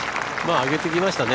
上げてきましたね。